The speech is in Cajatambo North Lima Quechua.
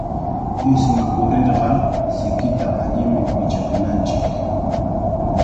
Ismakurirqa sikita allimi pichakunanchik.